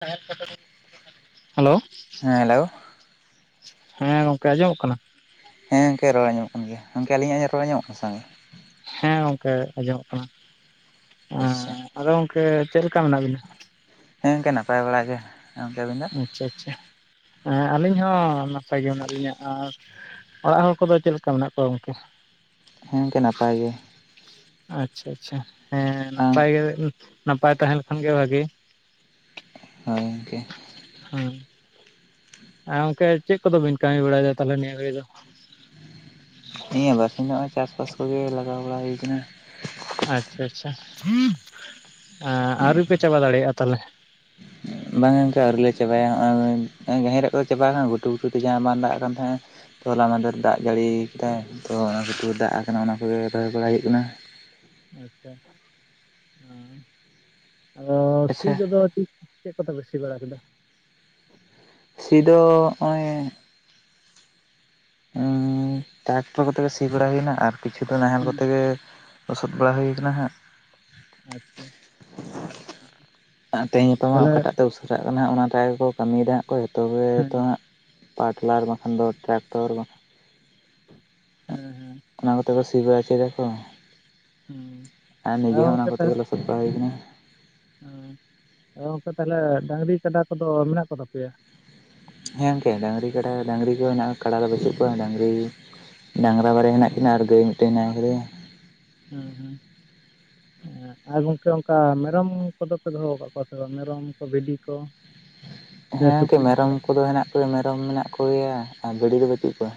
[inaudible] Hello. ᱦᱮᱸ hello. ᱦᱮᱸ ᱜᱚᱝᱠᱮ ᱟᱸᱡᱚᱢᱚᱜ ᱠᱟᱱᱟ? ᱦᱮᱸ ᱜᱚᱝᱠᱮ ᱨᱚᱲ ᱟᱸᱡᱚᱢᱚᱜ ᱠᱟᱱ ᱜᱮᱭᱟ, ᱜᱚᱝᱠᱮ ᱟᱹᱞᱤᱧᱟᱜ ᱨᱚᱲ ᱟᱸᱡᱚᱢᱚᱜ [inaudible] ᱦᱮᱸ ᱜᱚᱝᱠᱮ ᱟᱸᱡᱚᱢᱚᱜ ᱠᱟᱱᱟ, ᱟᱪᱪᱷᱟ ᱮᱸ ᱟᱫᱚ ᱜᱚᱝᱠᱮ ᱪᱮᱫ ᱞᱮᱠᱟ ᱢᱮᱱᱟᱜ ᱵᱤᱱᱟ? ᱦᱮᱸ ᱜᱚᱝᱠᱮ ᱱᱟᱯᱟᱭ ᱵᱟᱲᱟ ᱜᱮ᱾ ᱜᱚᱝᱠᱮ ᱟᱹᱵᱤᱱ ᱫᱚ ᱟᱪᱪᱷᱟ ᱟᱪᱪᱷᱟ᱾ ᱦᱮᱸ ᱟᱹᱞᱤᱧ ᱦᱚᱸ ᱱᱟᱯᱟᱭ ᱜᱮ ᱢᱮᱱᱟᱜ ᱞᱤᱧᱟ, ᱟᱨ ᱚᱲᱟᱜ ᱦᱚᱲ ᱠᱚᱫᱚ ᱪᱮᱫ ᱞᱮᱠᱟ ᱢᱮᱱᱟᱜ ᱠᱚᱣᱟ ᱜᱚᱝᱠᱮ? ᱦᱮᱸ ᱜᱚᱝᱠᱮ ᱱᱟᱯᱟᱭ ᱜᱮ᱾ ᱟᱪᱪᱷᱟ ᱟᱪᱪᱷᱟ ᱦᱮᱸ ᱟᱢ ᱱᱟᱯᱟᱭ ᱜᱮ᱾ ᱱᱟᱯᱟᱭ ᱛᱟᱦᱮᱸ ᱞᱮᱠᱷᱟᱱ ᱜᱮ ᱵᱷᱟᱸᱜᱮ᱾ ᱦᱳᱭ ᱜᱚᱝᱠᱮ᱾ ᱦᱩᱸ᱾ ᱟᱨ ᱜᱚᱝᱠᱮ ᱪᱮᱫ ᱠᱚᱫᱚ ᱵᱤᱱ ᱠᱟᱹᱢᱤ ᱵᱟᱲᱟᱭᱮᱫᱟ ᱛᱟᱦᱚᱞᱮ ᱱᱤᱭᱟᱹ ᱜᱷᱟᱹᱲᱤ ᱫᱚ? ᱱᱧᱤᱭᱟᱹ ᱵᱟᱨᱥᱤᱧᱚᱜᱼᱟ ᱪᱟᱥᱵᱟᱥ ᱠᱚᱜᱮ ᱞᱟᱜᱟᱣ ᱵᱟᱲᱟ ᱦᱩᱭ ᱟᱠᱟᱱᱟ ᱾ ᱟᱪᱪᱷᱟ ᱟᱪᱪᱷᱟ ᱟᱹᱣᱨᱤ ᱯᱮ ᱪᱟᱵᱟ ᱫᱟᱲᱮᱭᱟᱜᱼᱟ ᱛᱟᱦᱚᱞᱮ? ᱵᱟᱝᱮ ᱜᱚᱢᱠ ᱟᱹᱣᱩᱞ ᱞᱮ ᱪᱟᱵᱟᱭᱟ ᱱᱚᱜᱼᱚᱭ ᱜᱟᱹᱦᱨ ᱠᱚᱞᱮ ᱪᱟᱵᱟᱭᱟᱱ ᱜᱷᱩᱴᱩ ᱜᱷᱩᱴᱩ ᱛᱮ ᱡᱟᱦᱟᱸ ᱵᱟᱝ ᱫᱟᱜ ᱠᱟᱱ ᱛᱟᱦᱮᱸᱜᱼᱟ ᱾ ᱛᱚ ᱞᱢᱟᱫᱮᱨ ᱫᱟᱜ ᱡᱟᱹᱲᱤ ᱠᱮᱫᱟᱭ ᱛᱚ ᱚᱱᱟ ᱠᱚᱛ ᱫᱟᱜ ᱟᱠᱟᱱᱟ ᱚᱱᱟ ᱠᱚᱜᱮ ᱨᱚᱦᱚᱭ ᱵᱟᱲᱟᱭ ᱦᱩᱭᱩᱜ ᱠᱟᱱᱟ ᱾ ᱟᱪᱪᱷᱟ ᱦ ᱟᱫᱚ ᱴᱷᱤᱠ ᱟᱪᱪᱷᱟ ᱠᱚᱫᱚ ᱪᱮᱫ ᱠᱚᱯᱮ ᱵᱮ ᱥᱤ ᱵᱟᱲᱟ ᱠᱮᱫᱟ? ᱥᱤᱫᱚ ᱱᱚᱜᱼᱚᱭ ᱴᱨᱟᱠᱴᱚᱨ ᱠᱚᱛᱮ ᱜᱮ ᱥᱤ ᱵᱟᱲᱟ ᱦᱩᱭᱱᱟ ᱟᱨ ᱠᱤᱪᱷᱩ ᱫᱚ ᱱᱟᱦᱮᱞ ᱦᱩᱸ ᱠᱚᱛᱮ ᱜᱮ ᱾ ᱞᱚᱥᱩᱛ ᱵᱟᱲᱟ ᱦᱩᱭᱠᱟᱱᱟ ᱦᱟᱸᱜ ᱾ ᱟᱪᱪᱷᱟ ᱾ ᱛ ᱛᱮᱦᱮᱧ ᱜᱟᱯᱟ ᱚᱠᱟᱴᱟᱜ ᱛᱮ ᱩᱥᱟᱹᱨᱟᱜ ᱠᱟᱱᱟ ᱚᱱᱟᱴᱟᱜ ᱜᱮᱠᱚ ᱠᱟᱹᱢᱤᱭᱮᱫᱟ ᱦᱟᱸ ᱠᱚ ᱡᱷᱚᱛᱚ ᱜᱮ ᱦᱮᱸ ᱛᱚ ᱦᱟᱸᱜ ᱾ ᱯᱟᱴᱞᱟᱟᱨ ᱵᱟᱠᱷᱟᱱ ᱫᱚ ᱴᱨᱟᱠᱴᱚᱨ᱾ ᱦᱮᱸ ᱦᱮᱸ᱾ ᱚᱱᱟ ᱠᱚᱛᱮ ᱠᱚ ᱥᱤ ᱵᱟᱲᱟᱭ ᱚᱪᱚᱭᱫᱟᱠᱚ᱾ ᱦᱩᱸ᱾ ᱟᱨ ᱱᱤᱡᱮ ᱦᱚᱸ ᱚᱱᱟ ᱠᱚᱛᱮ ᱜᱮ ᱞᱚᱥᱚᱫ ᱵᱟᱲᱟ ᱦᱩᱭ ᱟᱠᱟᱱᱟ᱾ ᱩᱸ ᱚᱱᱛᱮ ᱛᱟᱦᱞᱮ ᱰᱟᱹᱟᱝᱨᱤ ᱠᱟᱰᱟ ᱠᱚᱫᱚ ᱢᱮᱱᱟᱜ ᱠᱚ ᱛᱟ ᱯᱮᱭᱟ? ᱦᱮᱸ ᱚᱢᱠᱮ ᱰᱟᱹᱝᱨᱤ ᱠᱟᱰᱟ ᱰᱟᱹᱝᱨᱤ ᱠᱚ ᱦᱮᱱᱟᱜᱼᱟ ᱠᱟᱲᱟ ᱫᱚ ᱵᱟᱹᱪᱩᱜ ᱠᱚᱣᱟ ᱰᱟᱹᱝᱨᱤ.... ᱰᱟᱝᱨᱟ ᱵᱟᱨᱭᱟ ᱦᱮᱱᱟᱜ ᱠᱤᱱᱟᱹ ᱟᱨ ᱜᱟᱹᱭ ᱢᱤᱫᱴᱮᱱ ᱱᱟᱭᱠᱮᱫᱮᱭᱟ᱾ ᱦᱩᱸ ᱦᱮᱸ᱾ ᱦᱮᱸ ᱟᱨ ᱜᱚᱢᱠᱮ ᱚᱱᱠᱟ ᱢᱮᱨᱚᱢ ᱠᱚᱫᱚ ᱯᱮ ᱫᱚᱦᱚ ᱟᱠᱟᱫ ᱠᱚᱣᱟ ᱥᱮ ᱵᱟᱝ ᱢᱮᱨᱚᱢ ᱠᱚ ᱵᱷᱤᱰᱤ ᱠᱚ? ᱥᱮ ᱦᱮᱸ ᱚᱢᱠᱮ ᱥᱩᱠᱨᱤ ᱢᱮᱨᱚᱢ ᱠᱚᱫᱚ ᱦᱮᱱᱟᱜ ᱠᱚᱜᱭᱟ ᱢᱮᱨᱚᱢ ᱢᱮᱱᱟᱜ ᱠᱚᱜᱮᱭᱟ ᱟᱨ ᱵᱷᱤᱰᱤ ᱫᱚ ᱵᱟᱹᱪᱩᱜ ᱠᱚᱣᱟ᱾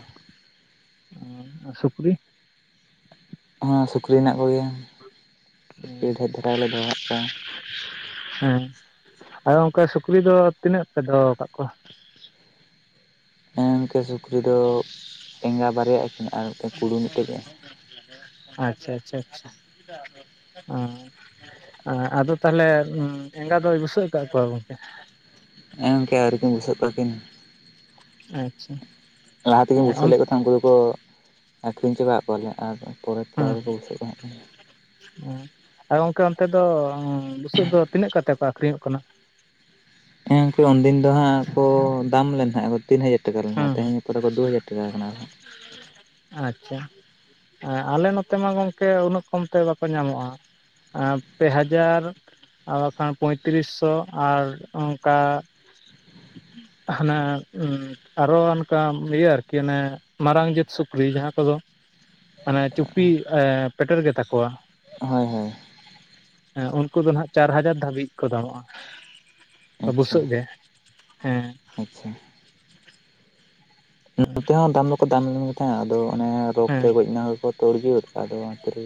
ᱩᱸ ᱟᱨ ᱥᱩᱠᱨᱤ? ᱦᱚᱸ ᱥᱩᱠᱨᱤ ᱦᱮᱱᱟᱜ ᱠᱚᱜᱮᱭᱟ, ᱰᱷᱮᱡ ᱫᱷᱟᱨᱟᱞᱮ ᱫᱚᱦᱚᱟᱜ ᱠᱚᱣᱟ᱾ ᱦᱮᱸ ᱟᱫᱚ ᱚᱱᱠᱮ ᱥᱩᱠᱨᱤ ᱫᱚ ᱛᱤᱱᱟᱹᱜ ᱯᱮ ᱫᱚᱦᱚ ᱠᱟᱜ ᱠᱚᱣᱟ? ᱦᱮᱸᱚᱢᱠᱮ ᱥᱩᱠᱨᱤ ᱫᱚ ᱮᱸᱜᱟ ᱵᱟᱨᱭᱟᱜ ᱟᱹ ᱠᱤᱱᱟ ᱟᱨ ᱢᱤᱫᱴᱮᱡ ᱠᱩᱲᱩ ᱢᱤᱫᱴᱮᱡ᱾ ᱟᱪᱪᱷᱟ ᱟᱪᱪᱷᱟ ᱟᱪᱪᱷᱟ᱾ ᱟᱸ ᱟᱫᱚᱛᱟᱦᱮᱞᱮ ᱾ ᱮᱸᱜᱟ ᱫᱚᱭ ᱵᱩᱥᱟᱹᱜ ᱟᱠᱟᱫ ᱠᱚᱣᱟ ᱜᱚᱢᱠᱮ? ᱮᱚᱝᱠᱮ ᱟᱣᱨᱤᱠᱤᱱ ᱵᱥᱟᱹᱜ ᱠᱚᱣᱟ ᱠᱤᱱᱟ᱾ ᱟᱪᱪᱷᱟ ᱞᱟᱦᱟ ᱛᱮᱜᱤᱧ ᱵᱩᱥᱟᱹᱣ ᱚᱱ ᱞᱮᱫ ᱠᱚ ᱛᱟᱦᱮᱸᱱ ᱩᱱᱠᱩ ᱫᱚᱠᱚ ᱟᱠᱷᱨᱤᱧ ᱪᱟᱵᱟᱣᱜ ᱠᱚᱣᱟᱞᱮ, ᱟᱨ ᱯᱚᱨᱮ ᱛᱮ ᱟᱣᱨᱤ ᱠᱚ ᱵᱩᱥᱟᱹᱜ ᱠᱚ ᱦᱟᱸᱜ ᱠᱷᱟᱱ᱾ ᱮᱸ ᱟᱨ ᱜᱚᱝᱠᱮ ᱚᱱᱛᱮ ᱫᱚ ᱵᱩᱥᱟᱹᱜ ᱫᱚ ᱛᱤᱱᱟᱹᱜ ᱠᱟᱛᱮ ᱠᱚ ᱟᱠᱷᱨᱤᱧᱚᱜ ᱠᱟᱱᱟ? ᱦᱮᱸ ᱚᱝᱠᱮ ᱩᱱᱫᱤᱱ ᱫᱚ ᱦᱟᱸᱜ ᱠᱚ ᱫᱟᱢ ᱞᱮᱱ ᱛᱟᱸᱦᱮᱫ ᱟᱠᱚ᱾ ᱛᱤᱱ ᱦᱟᱡᱟᱨ ᱴᱟᱠᱟ ᱞᱮᱱᱟ ᱦᱮᱸ ᱛᱮᱦᱮᱧ ᱦᱮᱸ ᱠᱚᱫᱚ ᱠᱚ ᱫᱩ ᱦᱟᱡᱟᱨ ᱴᱟᱠᱟ ᱟᱠᱟᱱᱟ ᱾ ᱟᱪᱪᱷᱟ᱾ ᱦᱮᱸ ᱟᱞᱮ ᱱᱚᱛᱮ ᱢᱟ ᱜᱚᱢᱠᱮ ᱩᱱᱟᱹᱜ ᱠᱚᱢᱛᱮ ᱵᱟᱠᱚ ᱧᱟᱢᱚᱜᱼᱟ᱾ ᱟᱸ ᱯᱮ ᱦᱟᱡᱟᱨ ᱟᱨ ᱵᱟᱠᱷᱟᱱ ᱯᱳᱸᱭᱛᱨᱤᱥ ᱥᱚ ᱟᱨ ᱚᱱᱠᱟ ᱦᱟᱱᱟ ᱩᱸ ᱟᱨᱚ ᱚᱱᱠᱟ ᱤᱭᱟᱹ ᱟᱨᱠᱤ ᱚᱱᱮ ᱢᱟᱨᱟᱝ ᱡᱟᱹᱛ ᱥᱩᱠᱨᱤ ᱡᱟᱦᱟᱸ ᱠᱚᱫᱚ ᱢᱟᱱᱮ ᱪᱩᱯᱤ ᱮ ᱯᱮᱴᱮᱨ ᱜᱮ ᱛᱟᱠᱚᱣᱟ᱾ ᱦᱳᱭ ᱦᱳᱭ᱾ ᱦᱮᱸ ᱩᱱᱠᱩ ᱫᱚ ᱱᱟᱦᱜ ᱪᱟᱨ ᱦᱟᱡᱟᱨ ᱫᱷᱟᱹᱵᱤᱡ ᱠᱚ ᱫᱟᱢᱚᱜᱼᱟ᱾ ᱟᱪᱪᱷᱟ ᱵᱩᱥᱟᱹᱜ ᱜᱮ? ᱦᱮᱸ᱾ ᱟᱪᱪᱷᱟ᱾ ᱱᱚᱛᱮ ᱦᱚᱸ ᱫᱟᱢ ᱫᱚᱠᱚ ᱫᱟᱢ ᱞᱮ ᱜᱮᱛᱟᱦᱮᱸᱫ-ᱟ, ᱟᱫᱚ ᱚᱱᱮ ᱨᱳᱜᱽ ᱦᱮᱸ ᱛᱮ ᱜᱚᱡ ᱱᱟ ᱠᱚ ᱛᱳᱲᱡᱟᱹᱛ ᱟᱫᱚ ᱚᱸᱛᱮᱨᱮ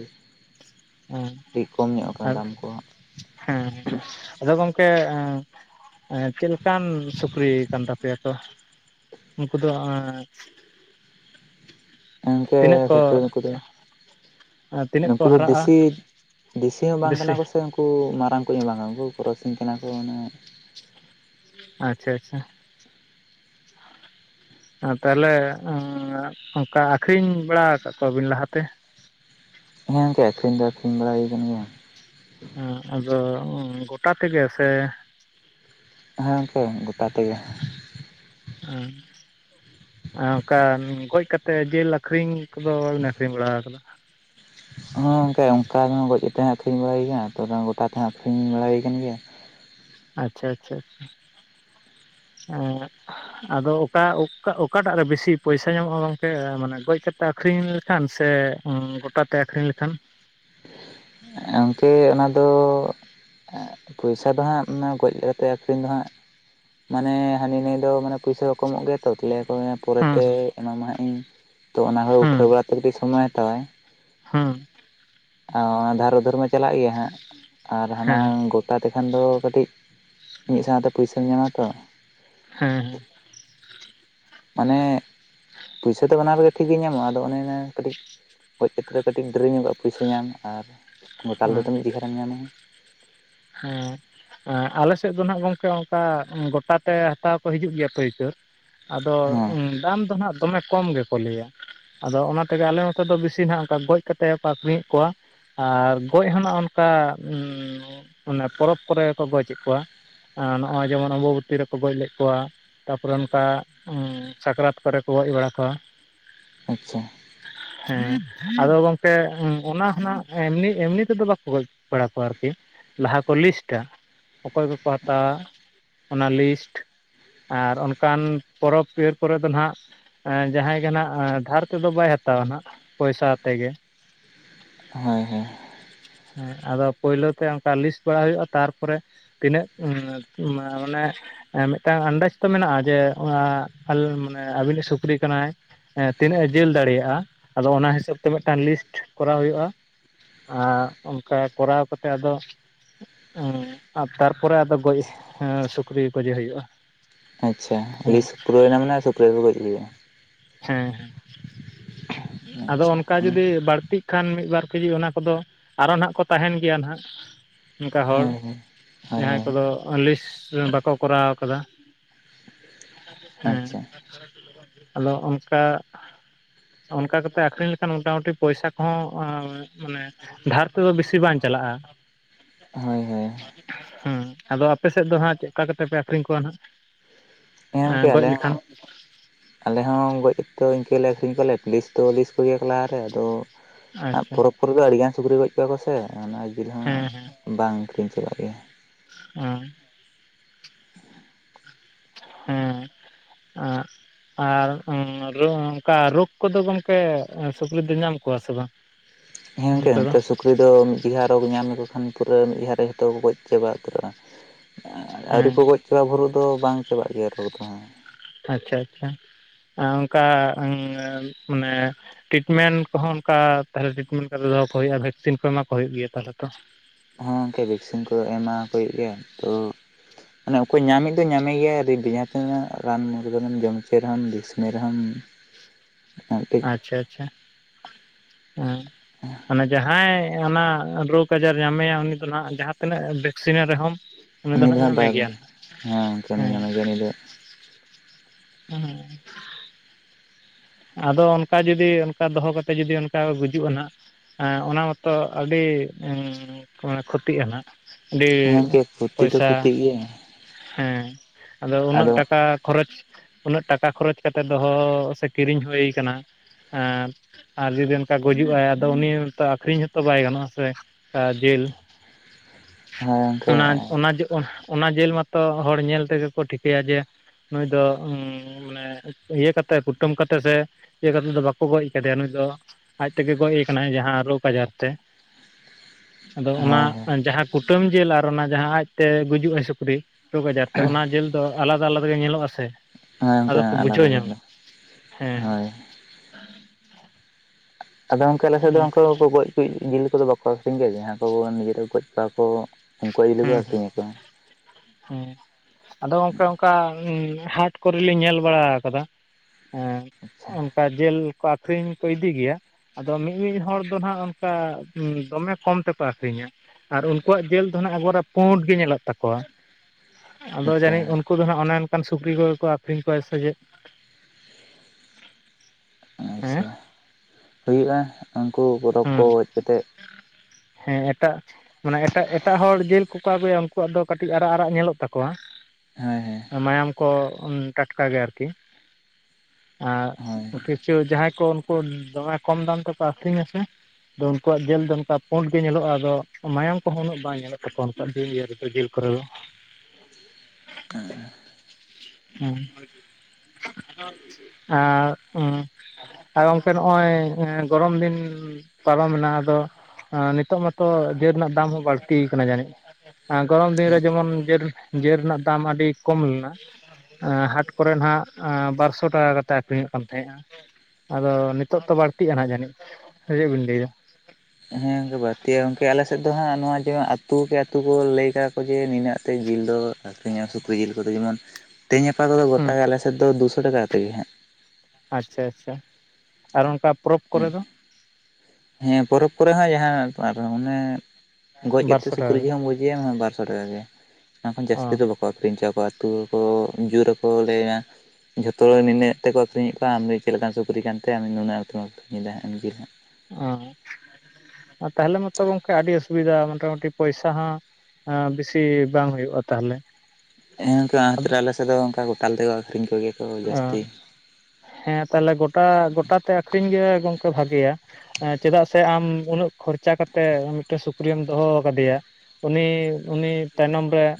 ᱦᱮᱸ ᱟ-ᱫ ᱫᱟᱢ ᱠᱚ ᱦᱮᱸ [unintelligible] ᱟᱫᱚ ᱜᱚᱝᱠᱮ ᱯᱮ ᱮᱸ ᱪᱮᱫ ᱞᱮᱠᱟᱱ ᱥᱩᱠᱨᱤ ᱠᱟᱱ ᱛᱟᱯᱮᱭᱟ ᱠᱚ? ᱩᱱᱠᱩ ᱫᱚ ᱟᱸ-ᱪ ᱮᱝᱠᱮ ᱥᱩᱠᱨᱤ ᱱᱩᱠᱩ ᱫᱚ ᱛᱤᱱᱟᱹᱜ ᱠᱚ ᱱᱩᱠᱩ ᱫᱚ ᱦᱟᱨᱟᱜᱼᱟ ᱫᱮᱥᱤ ᱫᱮᱥᱤ ᱦᱚᱸ ᱵᱟᱝ ᱠᱟᱱᱟ ᱠᱚ, ᱥᱮ ᱩᱱᱠᱩ ᱢᱟᱨᱟᱝ ᱠᱚᱭ ᱦᱚᱸ ᱵᱟᱝᱟ ᱩᱱᱠᱩ ᱠᱚᱨᱚᱥᱤᱧ ᱠᱟᱱᱟ ᱠᱚ ᱚᱱᱮ ᱟᱪᱪᱷᱟ ᱟᱪᱪᱷᱟ᱾ ᱛᱟᱦᱞᱮ ᱩᱸ ᱚᱱᱠᱟ ᱟᱠᱷᱨᱤᱧ ᱵᱟᱲᱟ ᱟᱠᱟᱫ ᱠᱚᱣᱟᱵᱤᱱ ᱞᱟᱦᱟᱛᱮ? ᱦᱮᱸ ᱚᱝᱠᱮ ᱟᱹᱷᱨᱤᱧ ᱫᱚ ᱟᱠᱷᱨᱤᱧ ᱵᱟᱲᱟ ᱦᱩᱭ ᱠᱟᱱ ᱜᱮᱭᱟ᱾ ᱦᱮᱸ ᱟᱫᱚ ᱜᱚᱴᱟ ᱛᱮᱜᱮ? ᱥᱮ ᱦᱮᱸ ᱜᱚᱝᱠᱮ ᱜᱚᱴᱟ ᱛᱮᱜᱮ᱾ [unintelligible] ᱟᱨ ᱚᱱᱠᱟ ᱜᱚᱡ ᱠᱟᱛᱮᱫ ᱡᱤᱞ ᱟᱠᱷᱨᱤᱧ ᱠᱚᱫᱚ ᱵᱟᱵᱤᱱ ᱟᱠᱷᱨᱤᱧ ᱵᱟᱲᱟ ᱟᱠᱟᱫᱟ? ᱦᱚᱸᱮᱸᱠᱮ ᱚᱱᱠᱟ ᱜᱚᱡ ᱠᱟᱛᱮ ᱦᱚᱸ ᱟᱠᱷᱨᱤᱧ ᱵᱟᱲᱟᱭ ᱜᱮᱭᱟ ᱛᱚ ᱜᱚᱴᱟ ᱛᱮᱦᱚᱸ ᱟᱠᱷᱨᱤᱧ ᱵᱟᱲᱟᱭ ᱠᱟᱱ ᱜᱮᱭᱟ᱾ ᱟᱪᱪᱷᱟ ᱟᱪᱪᱷᱟ ᱟᱪᱪᱷᱟ [unintelligible] ᱟᱫᱚ ᱚᱠᱟ ᱚᱠᱟ ᱚᱠᱟᱴᱟᱜ ᱨᱮ ᱵᱮᱥᱤ ᱯᱚᱭᱥᱟ ᱧᱟᱢᱚᱜᱼᱟ ᱜᱚᱝᱠᱮ ᱢᱟᱱᱮ ᱜᱚᱡ ᱠᱟᱛᱮᱫ? ᱟᱠᱷᱨᱤᱧ ᱞᱮᱠᱷᱟᱱ ᱥᱮ ᱜᱚᱴᱟ ᱛᱮ ᱟᱠᱷᱨᱤᱧ ᱞᱮᱠᱷᱟᱱ? ᱜᱚᱝᱠᱮ ᱚᱱᱟ ᱫᱚ ᱯᱚᱭᱥᱟ ᱫᱚ ᱦᱟᱜ ᱜᱚᱡ ᱛᱮ ᱟᱹᱠᱷᱨᱤᱧ ᱫᱚ ᱦᱟᱸᱜ ᱢᱟᱱᱮ ᱦᱟᱹᱱᱤᱼ ᱱᱟᱹᱭ ᱫᱚ ᱢᱟᱱᱮ ᱯᱩᱭᱥᱟᱹ ᱦᱚᱸ ᱠᱚᱢᱚᱜ ᱜᱮᱭᱟ ᱛᱚ ᱛᱞᱮᱭᱟᱠᱚ ᱯᱚᱨᱮᱛᱮ ᱦᱩᱸ ᱮᱢᱟᱢᱟ ᱦᱟᱸᱜ ᱤᱧ ᱛᱚ ᱚᱱᱟ ᱠᱷ ᱩᱴᱷᱟᱹᱣ ᱵᱟᱲᱟᱛᱮ ᱜᱮ ᱥᱚᱢᱚᱭ ᱦᱟᱛᱟᱣᱟᱭ᱾ ᱦᱮᱸ ᱚᱱᱟ ᱫᱷᱟᱨᱮᱫᱟᱹᱨ ᱢᱟ ᱪᱟᱞᱟᱜ ᱜᱮᱭᱟ ᱦᱟᱸᱜ ᱟᱨ ᱦᱟᱱᱟ ᱦᱮᱸ ᱜᱚ ᱛᱟ ᱛᱮᱠᱷᱟᱱ ᱫᱚ ᱠᱟᱹᱴᱤᱡ ᱢᱤᱫ ᱥᱟᱶᱛᱮ ᱯᱩᱭᱥᱟᱹᱟᱢ ᱧᱟᱢᱟ ᱛᱚ᱾ ᱦᱮᱸ ᱦᱮᱸ ᱢᱟᱱᱮ ᱯᱚᱭᱥᱟ ᱫᱚ ᱵᱟᱱᱟᱨᱜᱮ ᱴᱷᱤᱠ ᱜᱮ ᱧᱟᱢᱚᱜᱼᱟ ᱟᱫᱚ ᱚᱱᱮ ᱚᱱᱟ ᱠᱟᱹᱴᱤᱡ ᱜᱚᱡᱛᱮᱫ ᱫᱚ ᱠᱟᱹᱴᱤᱡ ᱰᱮᱨᱤ ᱧᱚᱜᱚᱜᱼᱟ ᱯᱚᱭᱥᱟ ᱧᱟᱢ ᱟᱨ ᱜᱚᱴᱟᱞ ᱦᱮᱸ ᱫᱚ ᱢᱤᱫ ᱪᱤᱜᱷᱟ ᱨᱮᱟᱢ ᱧᱟᱢᱟ᱾ [unintelligible] ᱮᱸ ᱟᱞᱮᱥᱮᱫ ᱫᱚ ᱱᱟᱜ ᱜᱚᱝᱠᱮ ᱚᱱᱠᱟ ᱜᱚᱴᱟ ᱛᱮ ᱦᱟᱛᱟᱣ ᱠᱚ ᱦᱤᱡᱩᱜ ᱜᱮᱭᱟ ᱯᱟᱹᱭᱠᱟᱹᱨ ᱟᱫᱚ ᱦᱮᱸ ᱫᱟᱢᱫᱚᱨ ᱦᱜ ᱫᱚᱢᱮ ᱠᱚᱢ ᱜᱮᱠᱚ ᱞᱟᱢ ᱟᱫᱚ ᱚᱱᱟ ᱛᱮᱜᱮ ᱟᱞᱮ ᱢᱚᱛᱮ ᱫᱚ ᱵᱤᱥᱤ ᱱᱟᱜ ᱚᱱᱠᱟ ᱜᱚᱡ ᱠᱟᱛᱮ ᱟᱠᱷᱨᱤᱧᱮᱫ ᱠᱚᱣᱟ ᱟᱨ ᱜᱚᱡ ᱦᱚᱸ ᱱᱚ ᱚᱱᱠᱟ ᱮ ᱯᱚᱨᱚᱵᱽ ᱠᱚᱨᱮ ᱠᱚ ᱜᱚᱡᱮᱫ ᱠᱚᱣᱟ᱾ ᱱᱚᱜᱼᱚᱭ ᱡᱮᱢᱚᱱ ᱚᱢᱵᱚᱵᱚᱛᱤ ᱨᱮᱠᱚ ᱜᱚᱡ ᱞᱮᱫ ᱠᱚᱣᱟ ᱛᱟᱨᱯᱚᱨᱮ ᱚᱱᱠᱟ ᱥᱟᱠᱨᱟᱛ ᱠᱚᱨᱮ ᱠᱚ ᱜᱚᱡ ᱵᱟᱲᱟ ᱠᱚᱣᱟ ᱟᱪᱪᱷᱟ ᱦᱮᱸ ᱟᱫᱚ ᱜᱚᱝᱠᱮ ᱚᱱᱟ ᱦᱩᱱᱟᱜ ᱮᱢᱱᱤ ᱮᱢᱱᱤ ᱛᱮᱫᱚ ᱵᱟᱠᱚ ᱜᱚᱡ ᱵᱟᱲᱟ ᱠᱚᱣᱟ ᱟᱨᱠᱤ ᱞᱟᱦᱟ ᱠᱚ ᱞᱤᱥᱴᱟ ᱚᱠᱚᱭ ᱠᱚᱠᱚ ᱦᱟᱛᱟᱣᱟ ᱚᱱᱟ ᱞᱤᱥᱴ, ᱟᱨ ᱚᱱᱠᱟᱱ ᱯᱚᱨᱚᱵᱽ ᱯᱤᱦᱟᱹ ᱠᱚᱨᱮ ᱫᱚ ᱱᱟᱦᱟᱜ ᱡᱟᱦᱟᱸᱭ ᱜᱮ ᱦᱟᱜ ᱫᱷᱟᱨ ᱛᱮᱫᱚ ᱵᱟᱭ ᱦᱟᱛᱟᱣᱟ ᱱᱟᱱᱟᱜ ᱯᱚᱭᱥᱟ ᱛᱮᱜᱮ᱾ ᱦᱳᱭ ᱦᱳᱭ ᱟᱫᱚ ᱯᱚᱭᱞᱭ ᱩᱱᱠᱩ ᱛᱮ ᱞᱤᱥᱴ ᱵᱟᱲᱟ ᱦᱩᱭᱩᱜᱼᱟ ᱛᱟᱨᱯᱚᱨᱮ ᱛᱤᱱᱟᱹᱜ [unintelligible] ᱢᱟᱱᱮ ᱢᱤᱫᱴᱟᱝ ᱟᱱᱫᱟᱡᱽ ᱛᱚ ᱢᱮᱱᱟᱜᱼᱟ ᱡᱮ ᱚᱱᱟ ᱢᱟᱱᱮ ᱟᱵᱤᱱᱤᱡ ᱥᱩᱠᱨᱤ ᱠᱟᱱᱟᱭ ᱛᱤᱱᱟᱹᱜ ᱮ ᱡᱤᱞ ᱫᱟᱲᱮᱭᱟᱜᱼᱟ ᱟᱫᱚ ᱚᱱᱟ ᱦᱤᱥᱟᱹᱵ ᱛᱮ ᱢᱤᱫᱴᱟᱝ ᱞᱤᱥᱴ ᱠᱚᱨᱟᱣ ᱦᱩᱭᱩᱜᱼᱟ᱾ ᱟᱨ ᱚᱱᱠᱟ ᱠᱚᱨᱟᱣ ᱠᱟᱛᱮ ᱟᱫᱚ ᱟᱨ ᱛᱟᱨᱯᱚᱨᱮ ᱟᱫᱚ ᱜᱚᱡ ᱥᱩᱠᱨᱤ ᱜᱚᱡᱮ ᱦᱩᱭᱩᱜᱼᱟ᱾ ᱟᱪᱪᱷᱟ ᱦᱮᱸ ᱞᱤᱥ ᱯᱩᱨᱟᱹᱣᱱᱟ ᱢᱟᱱᱮ ᱥᱩᱠᱨᱱᱟ ᱢᱟᱱᱮ ᱥᱩᱠᱨ ᱨᱮᱠᱚ ᱜᱚᱡ ᱠᱮᱫᱮᱭᱟ ᱾ ᱦᱮᱸ ᱦᱮᱸ ᱟᱫᱚ ᱟᱪᱪᱷᱟ ᱚᱱᱠᱟ ᱚᱱᱟ ᱡᱩᱫᱤ ᱵᱟᱹᱲᱛᱤ ᱠᱷᱟᱱ ᱢᱤᱫ ᱵᱟᱨ ᱠᱮᱡᱤ ᱚᱱᱟ ᱠᱚᱫᱚ ᱟᱨᱚ ᱱᱟᱦᱟᱜ ᱠᱚ ᱛᱟᱦᱮᱱ ᱜᱮᱭᱟ ᱱᱟᱦᱟᱜ ᱚᱱᱠᱟ ᱦᱚᱲ᱾ ᱦᱳᱭ ᱦᱳᱭ ᱦᱳᱭ ᱡᱟᱦᱟᱸᱭ ᱦᱳᱭ ᱠᱚᱫᱚ ᱞᱤᱥ ᱵᱟᱠᱚ ᱠᱚᱨᱟᱣ ᱟᱠᱟᱫᱟ᱾ ᱦᱮᱸ᱾ ᱟᱪᱪᱷᱟ ᱟᱫᱚ ᱚᱱᱠᱟ ᱚᱱᱠᱟ ᱠᱟᱛᱮᱜ ᱟᱠᱷᱨᱤᱧ ᱞᱮᱠᱷᱟᱱ ᱢᱚᱴᱟᱢᱩᱴᱤ ᱯᱚᱭᱥᱟ ᱠᱚᱦᱚᱸ ᱢᱟᱱᱮ ᱫᱷᱟᱨ ᱛᱮᱫᱚ ᱵᱮᱥᱤ ᱵᱟᱝ ᱪᱟᱞᱟᱜᱼᱟ᱾ ᱦᱳᱭ ᱦᱳᱭ ᱦᱮᱸ ᱟᱫᱚ ᱟᱯᱮ ᱥᱮᱫ ᱫᱚ ᱦᱟᱸᱜ ᱪᱮᱫ ᱞᱮᱠᱟ ᱠᱟᱛᱮ ᱯᱮ ᱟᱠᱷᱨᱤᱧ ᱠᱚᱣᱟ ᱦᱟᱜ? ᱦᱮᱸ ᱜᱚᱝᱠᱮ ᱟᱞᱮ ᱦᱚᱸ ᱟᱞᱮᱦᱚ ᱜᱚᱡᱛᱚ ᱤᱱᱠᱟᱹᱞᱮ ᱟᱠᱠᱷᱨᱤᱧ ᱠᱚᱣᱟᱞᱮ ᱯᱩᱞᱤᱥ ᱛ ᱤᱥ ᱠᱚᱜᱮᱭᱟ ᱠ ᱞᱟᱦᱟᱨᱮ ᱟᱫᱚ ᱟᱪᱪᱷᱟ ᱯᱚᱨᱚᱵᱽ ᱠᱚᱨᱮ ᱫᱚ ᱟᱹᱰᱤ ᱜᱟᱱ ᱥᱩᱠᱨᱤ ᱜᱚᱡ ᱠᱚᱣᱟ ᱠᱚ ᱥᱮ ᱟᱱᱟ ᱡᱤᱞ ᱦᱚᱸ ᱦᱮᱸ ᱦᱮᱸ᱾ ᱵᱟᱝ ᱟᱹᱠᱷᱨᱤᱤᱧ ᱪᱟᱵᱟᱜ ᱜᱮᱭᱟ ᱾ ᱚᱻ᱾ ᱦᱮᱸ ᱟᱸᱜ ᱟᱨ [inaudible] ᱚᱱᱠᱟ ᱨᱳᱜᱽ ᱠᱚᱫᱚ ᱜᱚᱢᱠᱮ ᱥᱩᱠᱨᱤ ᱫᱚ ᱧᱟᱢ ᱠᱚᱣᱟ ᱥᱮ ᱵᱟᱝ? ᱦᱮᱸ ᱜᱮ ᱚᱱᱛᱮ ᱥᱩᱠ ᱥᱩᱠᱨᱤ ᱫᱚ ᱢᱤᱫ ᱡᱚᱜᱷᱟ ᱨᱳᱜᱽ ᱧᱟᱢ ᱞᱮᱠᱚ ᱠᱷᱟᱱ ᱯᱩᱨᱟᱹ ᱢᱤᱫᱜᱷᱟ ᱨᱮ ᱡᱚᱛᱚ ᱠᱚ ᱜᱚᱡ ᱪᱟᱵᱟ ᱩᱛᱟᱹᱨᱚᱜᱼᱟ᱾ ᱟᱹᱣᱨᱤ ᱦᱮᱸ ᱠᱚ ᱜᱚᱡ ᱪᱟᱵᱟ ᱵᱷᱳᱨ ᱫᱚ ᱵᱟᱝ ᱪᱟᱵᱟᱜ ᱜᱮᱭᱟ ᱨᱳᱜᱽ ᱫᱚ ᱦᱟᱜ᱾ ᱟᱪᱪᱷᱟ ᱟᱪᱪᱷᱟ ᱚᱱᱠᱟ ᱢᱟᱱᱮ ᱴᱤᱴᱢᱮᱱᱴ ᱠᱚᱦᱚᱸ ᱚᱱᱠᱟ ᱛᱟᱦᱞᱮ ᱴᱤᱴᱢᱮᱱᱴ ᱠᱚ ᱫᱚᱦᱚ ᱠᱚ ᱦᱩᱭᱩᱜᱼᱟ ᱵᱷᱮᱠᱥᱤᱱ ᱠᱚ ᱮᱢᱟ ᱠᱚ ᱦᱩᱭᱩᱜ ᱜᱮᱭᱟ ᱛᱟᱦᱚᱞᱮ ᱛᱚ? ᱦᱚᱸ ᱚᱱᱠᱟ ᱵᱷᱮᱠᱥᱤᱱ ᱠᱚᱫᱚ ᱮᱢᱟᱠᱚ ᱦᱩᱭᱩᱜ ᱜᱮᱭᱟ ᱛᱚ ᱢᱟᱱᱮ ᱚᱠᱚᱭ ᱧᱟᱢᱮᱫ ᱫᱚ ᱧᱟᱢᱮ ᱜᱮᱭᱟ ᱢᱟᱱᱮ ᱩᱱᱠᱩ ᱧᱟᱢᱤᱡ ᱫᱚ ᱧᱟᱢᱮ ᱜᱮᱭᱟ ᱡᱟᱦᱟᱛᱤᱱᱟᱹᱜ ᱱᱟᱜ ᱨᱟᱱ ᱢᱩᱨᱜᱟᱹᱱ ᱮᱢ ᱡᱚᱢ ᱦᱚᱪᱚᱭ ᱨᱮᱦᱚᱢ ᱵᱷᱮᱠᱥᱤᱱᱮᱢ ᱨᱮᱦᱚᱢ ᱟᱪᱪᱷᱟ ᱟᱪᱪᱷᱟ ᱚᱻ᱾ ᱢᱟᱱᱮ ᱡᱟᱦᱟᱭ ᱚᱱᱟ ᱨᱳᱜᱽ ᱟᱡᱟᱨ ᱧᱟᱢᱮᱭᱟ ᱩᱱᱤ ᱫᱚ ᱱᱟᱜ ᱡᱟᱦᱟ ᱛᱤᱱᱟᱹᱜ ᱵᱷᱮᱠᱥᱤᱱ ᱮᱢ ᱨᱮᱦᱚᱢ ᱩᱱᱤ ᱫᱚ ᱱᱟᱜ ᱦᱟᱸᱜ ᱧᱟᱢᱮ ᱵᱟᱭ ᱦᱮᱸ ᱜᱮᱭᱟ? ᱜᱚᱝᱠᱮ ᱩᱱᱤ ᱦᱮᱸ᱾ ᱧᱟᱢᱮ ᱜᱮᱭᱟ ᱩᱱᱤ ᱫᱚ [inaudible] ᱟᱫᱚ ᱚᱱᱠᱟ ᱡᱩᱫᱤ ᱚᱱᱠᱟ ᱫᱚᱦᱚ ᱠᱟᱛᱮ ᱡᱩᱫᱤ ᱚᱱᱠᱟ ᱜᱩᱡᱩᱜᱼᱟ ᱱᱟᱜ ᱚᱱᱟ ᱢᱚᱛᱚ ᱟᱹᱰᱤ ᱠᱷᱚᱛᱤᱜ ᱟ-ᱱᱦᱟᱜ᱾ ᱟᱹᱰᱤ ᱦᱮᱸ ᱜᱚᱝᱠᱮ ᱠᱷᱚᱛᱤ ᱫᱚ ᱯᱚᱭᱥᱟ ᱠᱷᱚᱛᱤᱜ ᱜᱮᱭᱟ ᱦᱮᱸ ᱟᱫᱚ ᱩᱱᱟᱹᱜ ᱴᱟᱠᱟ ᱠᱷᱚᱨᱚᱪ ᱩᱱᱟᱹᱜ ᱴᱟᱠᱟ ᱠᱷᱚᱨᱚᱪ ᱠᱟᱛᱮ ᱫᱚᱦᱚ ᱥᱮ ᱠᱤᱨᱤᱧ ᱦᱩᱭ ᱟᱠᱟᱱᱟ ᱮᱸ ᱟᱨ ᱡᱩᱫᱤ ᱚᱱᱠᱟ ᱜᱩᱡᱩᱜ ᱟᱭ ᱟᱫᱚ ᱩᱱᱤ ᱢᱟᱛᱚ ᱟᱹᱠᱷᱨᱤᱧ ᱦᱚᱛᱚ ᱵᱟᱭ ᱜᱟᱱᱚᱜᱼᱟ ᱥᱮ᱾ ᱟᱻ ᱡᱮᱞ‌᱾ ᱦᱮᱸ ᱜᱚᱝᱠᱮ᱾ ᱚᱱᱟ ᱚᱱᱟ ᱚᱱᱟ ᱡᱤᱞ ᱢᱟᱛᱚ ᱦᱚᱲ ᱧᱮᱞ ᱛᱮᱜᱮ ᱠᱚ ᱴᱷᱤᱠᱟᱹᱭᱟ ᱡᱮ ᱱᱩᱭ ᱫᱚ ᱩᱸ ᱢᱟᱱᱮ ᱤᱭᱟᱹ ᱠᱟᱛᱮ ᱠᱩ ᱠᱩᱴᱟᱹᱢ ᱠᱟᱛᱮ ᱥᱮ ᱤᱭᱟᱹ ᱠᱟᱛᱮ ᱫᱚ ᱵᱟᱠᱚ ᱜᱚᱡ ᱟᱠᱟᱫᱮᱭᱟ ᱱᱩᱭ ᱫᱚ ᱟᱡ ᱛᱮᱜᱮ ᱜᱚᱡ ᱟᱠᱟᱱᱟᱭ ᱡᱟᱦᱟᱸ ᱨᱳᱜᱽ ᱟᱡᱟᱨ ᱛᱮ᱾ ᱟᱫᱚ ᱚᱱᱟ ᱦᱳᱭ ᱦᱳᱭ ᱡᱟᱦᱟᱸ ᱠᱩᱴᱟᱹᱢ ᱡᱤᱞ ᱟᱨ ᱚᱱᱟ ᱡᱟᱦᱟᱸ ᱟᱡᱛᱮ ᱜᱩᱡᱩᱜᱼᱟᱭ ᱥᱩᱠᱨᱤ ᱨᱳᱜᱽ ᱟᱡᱟᱨ ᱛᱮ ᱚᱱᱟ ᱡᱤᱞ ᱫᱚ ᱟᱞᱟᱫᱟ ᱟᱞᱟᱫᱟ ᱜᱮ ᱧᱮᱞᱚᱜᱼᱟ ᱥᱮ᱾ ᱦᱮᱸ ᱜᱚᱝᱠᱮ ᱟᱫᱚ ᱠᱚ ᱦᱮᱸ ᱵᱩᱡᱷᱟᱹᱣ ᱟᱞᱟᱫᱟ ᱜᱮ ᱧᱟᱢᱟ ᱧᱮᱞᱚᱜ᱾ ᱦᱮᱸ᱾ ᱟᱫᱚ ᱜᱚᱝᱠᱮ ᱟᱞᱮᱥᱮᱫ ᱫᱚ ᱦᱮᱸ ᱚᱱᱠᱟ ᱜᱮᱠᱳ ᱜᱚᱡ ᱠᱟᱹᱡ ᱡᱤᱞ ᱠᱚᱫᱚ ᱵᱟᱠᱚ ᱟᱹᱠᱷᱨᱤᱧ ᱜᱮᱭᱟ ᱡᱟᱦᱟᱸ ᱠᱚ ᱱᱤᱡᱮᱛᱮ ᱠᱚ ᱜᱚᱡ ᱠᱚᱣᱟ ᱠᱚ ᱩᱱᱠᱩᱣᱟᱜ ᱡᱤᱞ ᱜᱮᱠᱚ ᱦᱩᱸ ᱟᱹᱠᱷᱨᱤᱧᱟᱠᱚ ᱦᱩᱸ ᱟᱫᱚ ᱜᱚᱝᱠᱮ ᱚᱱᱠᱟ ᱦᱟᱴ ᱠᱚᱨᱮᱞᱤᱧ ᱧᱮᱞ ᱵᱟᱲᱟ ᱦᱟᱠᱟᱫᱟ᱾ ᱮᱸ ᱟᱪᱪᱷᱟ ᱚᱱᱠᱟ ᱡᱤᱞ ᱠᱚ ᱟᱹᱠᱷᱨᱤᱧ ᱠᱚ ᱤᱫᱤ ᱜᱮᱭᱟ᱾ ᱟᱫᱚ ᱢᱤᱫᱢᱤᱫ ᱦᱚᱲ ᱫᱚ ᱱᱟᱜ ᱚᱱᱠᱟ ᱫᱚᱢᱮ ᱠᱚᱢ ᱛᱮᱠᱚ ᱟᱹᱠᱷᱨᱤᱧᱟ, ᱟᱨ ᱩᱱᱠᱩᱣᱟᱜ ᱡᱤᱞ ᱩᱱᱠᱩ ᱫᱚ ᱱᱟᱜ ᱮᱠᱵᱟᱨᱮ ᱯᱩᱸᱰ ᱜᱮ ᱧᱮᱞᱚᱜ ᱛᱟᱠᱚᱣᱟ᱾ ᱟᱫᱚ ᱟᱪᱪᱷᱟ ᱡᱟᱹᱱᱤᱡ ᱩᱱ ᱩᱱᱠᱩ ᱫᱚ ᱱᱟᱜ ᱚᱱᱮ ᱚᱱᱠᱟᱱ ᱥᱩᱠᱨᱤ ᱠᱚᱜᱮ ᱠᱚ ᱟᱹᱠᱷᱨᱤᱧ ᱠᱚᱣᱟ ᱥᱮ ᱪᱮᱫ᱾ ᱦᱮᱸ ᱟᱪᱪᱷᱟ ᱦᱩᱭᱩᱜᱼᱟ ᱩᱱᱠᱩ [unintelligible] ᱠᱚ ᱦᱮᱸ ᱜᱚᱡ ᱠᱟᱛᱮᱜ᱾ ᱦᱮᱸ ᱮᱴᱟᱜ ᱢᱟᱱᱮ ᱮᱴᱟᱜ ᱮᱴᱟᱜ ᱦᱚᱲ ᱡᱮᱞ ᱠᱚᱠᱚ ᱟᱹᱜᱩᱭᱟ ᱩᱱᱠᱩᱣᱟᱜ ᱫᱚ ᱠᱟᱹᱴᱤᱡ ᱟᱨᱟᱜ ᱟᱨᱟᱜ ᱧᱮᱞᱚᱜ ᱛᱟᱠᱚᱣᱟ᱾ ᱦᱮᱸ ᱦᱮᱸ ᱢᱟᱭᱟᱢ ᱠᱚ ᱴᱟᱴᱠᱟ ᱜᱮ ᱟᱨᱠᱤ, ᱟᱸ ᱦᱳᱭ ᱠᱤᱪᱷᱩ ᱡᱟᱦᱟᱸᱭ ᱠᱚ ᱩᱱᱠᱩ ᱫᱚᱢᱮ ᱠᱚᱢ ᱫᱟᱢ ᱛᱮᱠᱚ ᱟᱹᱠᱷᱨᱤᱧᱟ ᱥᱮ᱾ ᱟᱫᱚ ᱩᱱᱠᱩᱣᱟᱜ ᱡᱮᱞ ᱫᱚ ᱚᱱᱠᱟ ᱯᱩᱸᱰ ᱜᱮ ᱧᱮᱞᱚᱜᱼᱟ ᱟᱫᱚ ᱢᱟᱭᱟᱢ ᱠᱚᱦᱚ ᱩᱱᱟᱹᱜ ᱵᱟᱝ ᱧᱮᱞᱚᱜ ᱛᱟᱠᱚᱣᱟ᱾ [unintelligible] ᱡᱤᱞ ᱠᱚᱨᱮ ᱫᱚ᱾ ᱦᱩᱸ ᱟᱨ ᱩᱸ [inaudible] ᱟᱨ ᱜᱚᱝᱠᱮ ᱱᱚᱜᱼᱚᱭ ᱜᱚᱨᱚᱢ ᱫᱤᱱ ᱯᱟᱨᱚᱢᱮᱱᱟ ᱟᱫᱚ ᱱᱤᱛᱚᱜ ᱢᱟᱛᱚ ᱡᱮᱞ ᱨᱮᱱᱟᱜ ᱫᱟᱢ ᱦᱚᱸ ᱵᱟᱹᱲᱛᱤ ᱠᱟᱱᱟ ᱡᱟᱹᱱᱤᱡ᱾ ᱜᱚᱨᱚᱢ ᱫᱤᱱ ᱨᱮ ᱡᱮᱢᱚᱱ ᱡᱮᱨ, ᱡᱮᱨ ᱨᱮᱱᱟᱜ ᱫᱟᱢ ᱟᱹᱰᱤ ᱠᱚᱢ ᱞᱮᱱᱟ᱾ ᱦᱟᱴ ᱠᱚᱨᱮ ᱱᱟᱜ ᱵᱟᱨᱥᱚ ᱴᱟᱠᱟ ᱠᱟᱛᱮᱫ ᱟᱠᱷᱨᱤᱧᱚᱜ ᱠᱟᱱ ᱛᱟᱦᱮᱸᱱᱟ᱾ ᱟᱫᱚ ᱱᱤᱛᱳᱜ ᱛᱚ ᱵᱟᱹᱲᱛᱤᱜᱼᱟ ᱱᱟᱸᱜ ᱡᱟᱹᱱᱤᱡ, ᱪᱮᱫ ᱵᱤᱱ ᱞᱮᱭᱫᱟ? ᱦᱮᱸ, ᱜᱚᱝᱠᱮ ᱵᱟᱹᱲᱛᱤᱜ-ᱟ ᱜᱚᱝᱠᱮ ᱟᱞᱮᱥᱮᱫ ᱫᱚ ᱦᱟᱜ ᱱᱚᱣᱟ ᱡᱮ ᱟᱹᱛᱩ ᱠᱮ ᱟᱹᱛᱩ ᱠᱚ ᱞᱮᱭ ᱠᱟ ᱠᱚ ᱡᱮ ᱱᱤᱱᱟ. ᱛᱮ ᱡᱤᱞ ᱫᱚ ᱟᱹᱠᱷᱨᱤᱧᱚᱜ-ᱟ ᱥᱩᱠᱨᱤ ᱡᱮᱞ ᱠᱚᱫᱚ ᱡᱮᱢᱚᱱ ᱛᱮᱦᱧ ᱜᱟᱯᱟ ᱠᱚᱫᱚ ᱦᱮᱸ ᱜᱚᱴᱟ ᱜᱮ ᱟᱞᱮ ᱥᱮ ᱥᱮᱫ ᱫᱚ ᱫᱩᱥᱚ ᱴᱟᱠᱟ ᱠᱟᱛᱮᱜᱮ ᱦᱟᱜ᱾ ᱟᱪᱪᱷᱟ, ᱟᱪᱪᱷᱟ, ᱟᱨ ᱚᱱᱠᱟ ᱯᱚᱨᱚᱵᱽ ᱠᱚᱨᱮ ᱦᱟᱸᱜ ᱫᱚ? ᱦᱮᱸ, ᱯᱚᱨᱚᱵᱽ ᱠᱚᱨᱮ ᱦᱚᱸ ᱡᱟᱦᱟᱸ ᱚᱱᱮ ᱜᱚᱡ ᱵᱟᱨᱥᱚ ᱠᱟᱛᱮᱫ ᱥᱩᱠᱨᱤ ᱴᱟᱠᱟ ᱡᱚᱦᱚᱢ ᱜᱚᱡᱮᱭᱟ ᱵᱟᱨᱥᱚ ᱴᱟᱠᱟ ᱜᱮ᱾ ᱚᱱᱟ ᱠᱷᱚᱱ ᱡᱟᱹᱥᱛᱤ ᱫᱚ ᱵᱟᱠᱚ ᱟᱹᱠᱷᱨᱤᱧ ᱦᱚᱪᱟ ᱠᱚᱣᱟ ᱟᱹᱛᱩ ᱠᱚ ᱡᱳᱨ ᱟᱠᱚ ᱞᱮᱭᱟ᱾ ᱡᱷᱚᱛᱚ ᱦᱚᱲ ᱤᱱᱟ. ᱜ ᱛᱮᱠᱚ ᱟᱹᱨᱤᱧᱮᱫ ᱠᱚᱣᱟ, ᱟᱢᱫᱚ ᱪᱮᱫ ᱞᱮᱠᱟᱱ ᱥᱩᱠᱨᱤ ᱠᱟᱱᱛᱮ ᱱᱩᱱᱟᱹᱜ ᱠᱷᱨᱤᱢ ᱟᱹᱠᱷᱨᱤᱧᱮᱫᱟ ᱮᱢᱱᱜ ᱦᱟᱸᱜ᱾ ᱚ ᱛᱟᱦᱟᱞᱮ ᱢᱟᱛᱚ ᱜᱚᱢᱠᱮ ᱟᱹᱰᱤ ᱚᱥᱩᱵᱤᱫᱷᱟ ᱢᱚᱴᱟᱢᱩᱴᱤ ᱯᱚᱭᱥᱟ ᱦᱚᱸ᱾ ᱵᱤᱥᱤ ᱵᱟᱝ ᱦᱚᱭᱳᱜ-ᱟ ᱛᱟᱦᱚᱞᱮ᱾ ᱦᱮᱸ, ᱛᱚ ᱚᱱᱟᱠᱷᱟᱨ ᱟᱞᱮ ᱥᱮᱫ ᱫᱚ ᱚᱱᱠᱟ ᱜᱳᱴᱟᱞ ᱛᱮᱠᱚ ᱟᱹᱠᱷᱨᱤᱧ ᱠᱚᱜᱮᱭᱟ᱾ ᱠᱚ ᱚ, ᱡᱟᱹᱥᱛᱤ ᱦᱮᱸ, ᱛᱟᱦᱟᱞᱮ ᱜᱚᱴᱟ ᱜᱚᱴᱟᱛᱮ ᱟᱹᱠᱷᱨᱤᱧ ᱜᱮ ᱜᱚᱝᱠᱮ ᱵᱷᱟᱜᱮᱭᱟ᱾ ᱮ ᱪᱮᱫᱟᱜ ᱥᱮ ᱟᱢ ᱩᱱᱟᱹᱜ ᱠᱷᱚᱨᱪᱟ ᱠᱟᱛᱮᱜ ᱢᱤᱫᱴᱮᱱ ᱥᱩᱠᱨᱤᱢ ᱫᱚᱦᱚ ᱟᱠᱟᱫᱮᱭᱟ᱾ ᱩᱱᱤ ᱩᱱᱤ ᱛᱟᱭᱱᱚᱢ ᱨᱮ,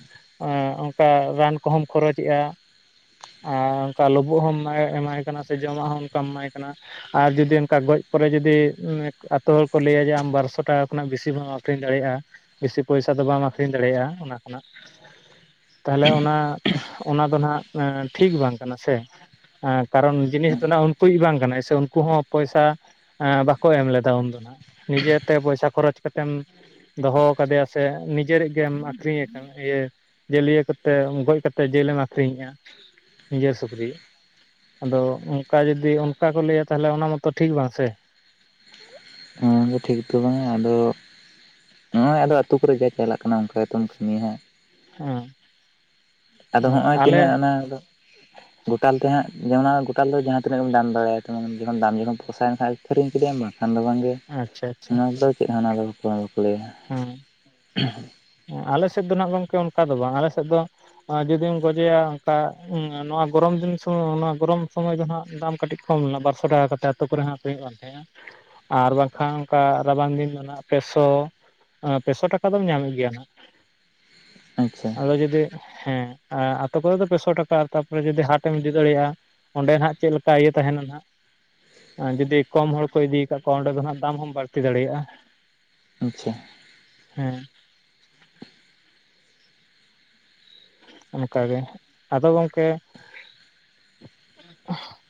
ᱚᱱᱠᱟ ᱨᱟᱱ ᱠᱚᱦᱚᱸᱚᱢ ᱠᱷᱚᱨᱚᱪᱮᱜᱼᱟ᱾ ᱟᱨ ᱚᱱᱠᱟ ᱞᱳᱵᱳᱜ ᱦᱚᱸᱢ ᱮᱢᱟᱭ ᱮᱢᱟᱭ ᱠᱟᱱᱟ ᱥᱮ ᱡᱚᱢᱟᱜ ᱦᱚᱸ, ᱚᱱᱠᱟᱢ ᱮᱢᱟᱭ ᱠᱟᱱᱟ᱾ ᱟᱨ ᱡᱩᱫᱤ ᱚᱱᱠᱟ ᱜᱚᱡ ᱯᱚᱨᱮ ᱡᱩᱫᱤ ᱟᱛᱳ ᱦᱚᱲ ᱠᱚ ᱞᱮᱭᱟ ᱡᱮ, ᱟᱢ ᱵᱟᱨ ᱥᱚ ᱴᱟᱠᱟ ᱠᱷᱚᱱᱟᱜ ᱵᱤᱥᱤ ᱵᱟᱢ ᱟᱹᱠᱷᱨᱤᱧ ᱫᱟᱲᱮᱭᱟᱜᱼᱟ᱾ ᱵᱤᱥᱤ ᱯᱚᱭᱥᱟ ᱫᱚ ᱵᱟᱢ ᱟᱹᱠᱷᱨᱤᱧ ᱫᱟᱲᱮᱭᱟᱜᱼᱟ ᱚᱱᱟ ᱠᱷᱚᱱᱟᱜ᱾ ᱛᱟᱦᱟᱞᱮ ᱚᱱᱟ, ᱚᱱᱟ ᱫᱚ ᱱᱟᱜ ᱴᱷᱤᱠ ᱵᱟᱝ ᱠᱟᱱᱟ ᱥᱮ᱾ ᱦᱮᱸ, ᱠᱟᱨᱚᱱ ᱡᱤᱱᱤᱥ ᱫᱚ ᱱᱟᱜ ᱩᱱᱠᱩᱡ ᱵᱟᱝ ᱠᱟᱱᱟᱭ ᱥᱮ ᱩᱱᱠᱩ ᱦᱚᱸ ᱯᱚᱭᱥᱟ ᱮ ᱵᱟᱠᱚ ᱮᱢ ᱞᱮᱫᱟ ᱩᱱᱫᱚ ᱱᱤᱡᱮᱛᱮ ᱯᱚᱭᱥᱟ ᱠᱷᱚᱨᱚᱪ ᱠᱟᱛᱮᱢ ᱫᱚᱦᱚ ᱠᱟᱫᱮᱭᱟ ᱥᱮ ᱱᱤᱡᱮᱨᱤᱜ ᱜᱮᱢ ᱟᱠᱷᱨᱤᱧᱮ ᱠᱟᱱᱟ ᱤᱭᱟᱹ ᱡᱮᱞᱤᱭᱟᱹ ᱠᱟᱛᱮᱫ ᱜᱚᱡ ᱠᱟᱛᱮᱫ ᱡᱮᱞᱮᱢ ᱟᱹᱠᱷᱨᱤᱧᱮᱜᱼᱟ᱾ ᱱᱤᱡᱮᱨ ᱥᱩᱠᱨᱤ ᱟᱫᱚ ᱚᱱᱠᱟ ᱡᱩᱫᱤ ᱚᱱᱠᱟ ᱠᱚ ᱞᱟᱹᱭᱟ ᱛᱟᱦᱚᱞᱮ ᱚᱱᱟ ᱢᱟᱛᱚ ᱴᱷᱤᱠ ᱵᱟᱝ ᱥᱮ᱾ ᱚᱱᱟ ᱫᱚ ᱴᱷᱤᱠ ᱫᱚ ᱵᱟᱝᱟ ᱟᱫᱚ ᱱᱚᱜ ᱚᱭ ᱟᱞᱮ ᱟᱛᱩ ᱠᱚᱨᱮ ᱫᱚ ᱪᱟᱞᱟᱜ ᱠᱟᱱᱟ ᱚᱱᱠᱟ ᱜᱮᱛᱚᱢ ᱠᱟᱹᱢᱤᱭᱟᱜ ᱦᱟᱸᱜ ᱦᱮᱸ ᱾ ᱟᱫᱚ ᱦᱮᱸ ᱦᱚᱸᱜᱼᱚᱭ ᱟᱞᱮ ᱛᱤᱱᱟᱹᱜ ᱚᱱᱟ ᱫᱚ [inaudible] ᱜᱚᱴᱟᱞ ᱛᱮ ᱦᱟᱸᱜ ᱡᱮ ᱚᱱᱟ ᱜᱚᱴᱟᱞ ᱫᱚ ᱡᱟᱦᱟᱸ ᱛᱤᱱᱟᱹᱜ ᱮᱢ ᱫᱟᱢ ᱫᱟᱲᱮᱭᱟᱭ ᱛᱟᱢᱟ ᱡᱚᱠᱷᱚᱱ ᱫᱟᱢ ᱡᱚᱠᱷᱚᱱ ᱯᱚᱥᱟᱭᱮᱱ ᱠᱷᱟᱡ ᱟᱹᱠᱷᱨᱤᱧ ᱠᱮᱫᱮᱭᱟᱢ ᱵᱟᱠᱷᱟᱱ ᱫᱚ ᱵᱟᱝᱜᱮ᱾ ᱟᱪᱪᱷᱟ ᱟᱪᱪᱷᱟ ᱚᱱᱟ ᱫᱚ ᱪᱮᱫ ᱦᱚᱸ ᱚᱱᱟ ᱫᱚ ᱪᱮᱜ ᱦᱚᱸ ᱵᱟᱠᱚ ᱞᱟ. ᱭᱟ᱾ ᱚᱸ ᱟᱞᱮ ᱥᱮᱫ ᱫᱚ ᱱᱟᱜ ᱜᱚᱝᱠᱮ ᱚᱱᱠᱟ ᱫᱚ ᱵᱟᱝ ᱟᱞᱮ ᱥᱮᱫ ᱫᱚ ᱡᱩᱫᱤᱢ ᱜᱚᱡᱮᱭᱟ ᱚᱱᱠᱟ ᱱᱚᱣᱟ ᱜᱚᱨᱚᱢ ᱫᱤᱱ ᱥᱳ ᱚᱱᱟ ᱜᱚᱨᱚᱢ ᱥᱚᱢᱚᱭ ᱫᱚ ᱦᱟᱸᱜ ᱫᱟᱢ ᱠᱟᱹᱴᱤᱡ ᱠᱚᱢ ᱨᱮᱱᱟᱜ ᱵᱟᱨᱥᱚ ᱴᱟᱠᱟ ᱠᱟᱛᱮ ᱟᱛᱩ ᱠᱚᱨᱮ ᱦᱚᱸ ᱟᱹᱠᱷᱨᱤᱧ ᱧᱚᱜ ᱠᱟᱱᱛᱮ ᱟᱨ ᱵᱟᱝᱠᱷᱟᱱ ᱚᱱᱠᱟ ᱨᱟᱵᱟᱝ ᱫᱤᱱ ᱢᱟ ᱱᱟᱦᱟᱜ ᱯᱮᱥᱚ᱾ ᱚᱱᱟ ᱯᱮᱥᱚ ᱴᱟᱠᱟ ᱫᱚᱢ ᱧᱟᱢᱮᱜ ᱜᱮᱭᱟ ᱱᱟᱼᱦᱟᱜ ᱟᱪᱪᱷᱟ ᱟᱫᱚ ᱡᱩᱫᱤ ᱦᱮᱸ, ᱮᱸ ᱟᱛᱳ ᱠᱚᱨᱮ ᱫᱚ ᱯᱮᱥᱚ ᱴᱟᱠᱟ ᱛᱟᱨᱯᱚᱨᱮ ᱡᱩᱫᱤ ᱦᱟᱴᱮᱢ ᱤᱫᱤ ᱫᱟᱲᱮᱭᱟᱜᱼᱟ ᱚᱸᱰᱮ ᱱᱟᱼᱦᱟᱜ ᱪᱮᱫ ᱞᱮᱠᱟ ᱤᱭᱟᱹ ᱛᱟᱦᱮᱱᱟ ᱱᱟᱼᱦᱟᱜ᱾ ᱡᱩᱫᱤ ᱠᱚᱢ ᱦᱚᱲ ᱠᱚ ᱤᱫᱤᱠᱟᱫ ᱠᱚᱣᱟ ᱚᱸᱰᱮ ᱫᱚ ᱱᱟᱼᱦᱟᱜ ᱫᱟᱢ ᱦᱚᱢ ᱵᱟᱹᱲᱛᱤ ᱫᱟᱲᱮᱭᱟᱜᱼᱟ᱾ ᱟᱪᱪᱷᱟ ᱦᱩᱸ ᱚᱱᱠᱟᱜᱮ ᱟᱫᱚ ᱜᱚᱝᱠᱮ [unintelligible]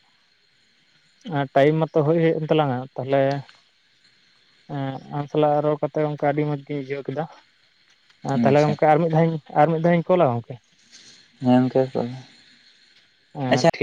ᱴᱟᱭᱤᱢ ᱢᱟᱛᱚ ᱦᱳᱭ ᱦᱮᱡ ᱮᱱ ᱛᱟᱞᱟᱝᱼᱟ ᱛᱟᱦᱚᱞᱮ ᱦᱮᱸ, ᱟᱢ ᱥᱟᱞᱟᱜ ᱨᱚᱲ ᱠᱟᱛᱮᱜ ᱜᱚᱝᱠᱮ ᱟᱹᱰᱤ ᱢᱚᱸᱡᱽ ᱜᱤᱧ ᱵᱩᱡᱷᱟᱹᱣ ᱠᱮᱫᱟ᱾ ᱛᱟᱦᱞᱮ ᱟᱪᱪᱷᱟ ᱜᱚᱝᱠᱮ ᱟᱨ ᱢᱤᱫ ᱫᱷᱟᱣᱤᱧ ᱟᱨ ᱢᱤᱫ ᱫᱷᱟᱣᱤᱧ ᱠᱚᱞᱟ ᱜᱚᱝᱠᱮ? ᱧᱟᱢ ᱠᱮᱭᱟᱜ ᱯᱮ ᱮᱸ ᱴᱷᱤᱠ